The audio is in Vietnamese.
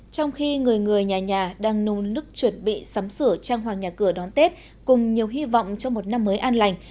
trong khi người người nhà nhà đang nôn lức chuẩn bị sắm sửa trang hoàng nhà cửa đón tết cùng nhiều hy vọng cho một năm mới an lành